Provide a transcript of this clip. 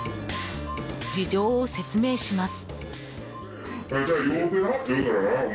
事情を説明します。